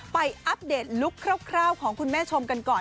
อัปเดตลุคคร่าวของคุณแม่ชมกันก่อน